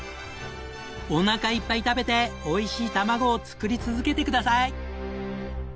おなかいっぱい食べておいしいたまごを作り続けてください！